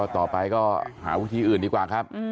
ต่อไปก็หาวิธีอื่นดีกว่าครับ